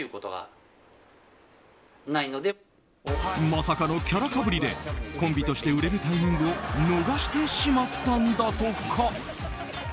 まさかのキャラ被りでコンビとして売れるタイミングを逃してしまったんだとか。